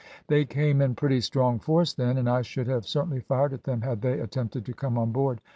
"They came in pretty strong force then, and I should have certainly fired at them had they attempted to come on board.